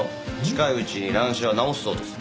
近いうちに乱視は治すそうです。